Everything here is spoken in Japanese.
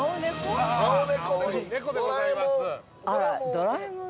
◆ドラえもん。